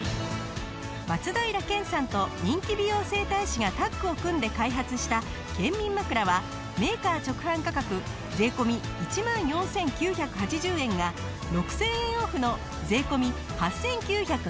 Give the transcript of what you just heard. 松平健さんと人気美容整体師がタッグを組んで開発した健眠枕はメーカー直販価格税込１万４９８０円が６０００円オフの税込８９８０円。